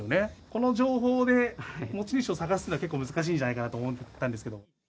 この情報で持ち主を探すのは、結構難しいんじゃないかなと思ったんですけど。